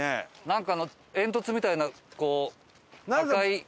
なんかあの煙突みたいなこう赤い。